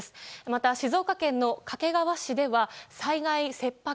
また、静岡県の掛川市では災害切迫。